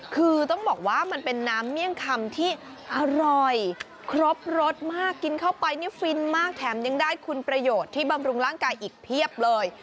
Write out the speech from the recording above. คือต้องบอกว่ามันเป็นน้ำเมี่ยงคำที่อร่อยครบรสมากกินเข้าไปนี่ฟินมากแถมยังได้คุณประโยชน์ที่บำรุงร่างกายอีกเพียบเลย